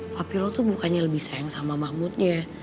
papi lo tuh bukannya lebih sayang sama mahmudnya